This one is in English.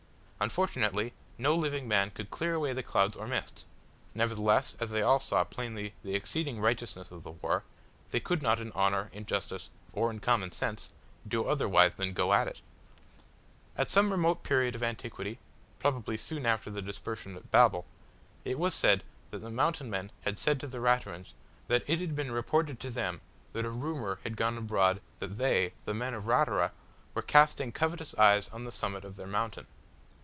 Unfortunately no living man could clear away the clouds or mists; nevertheless, as they all saw plainly the exceeding righteousness of the war, they could not in honour, in justice, or in common sense, do otherwise than go at it. At some remote period of antiquity probably soon after the dispersion at Babel it was said that the Mountain men had said to the Raturans, that it had been reported to them that a rumour had gone abroad that they, the men of Ratura, were casting covetous eyes on the summit of their mountain.